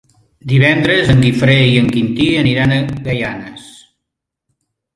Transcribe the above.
Divendres en Guifré i en Quintí aniran a Gaianes.